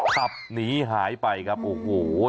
ขับหนีหายไปครับโอ้โห